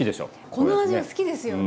この味は好きですよね。